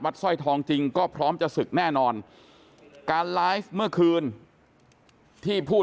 สร้อยทองจริงก็พร้อมจะศึกแน่นอนการไลฟ์เมื่อคืนที่ผู้